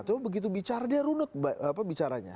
tapi begitu bicara dia runut bicaranya